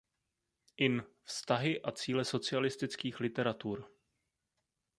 In "Vztahy a cíle socialistických literatur".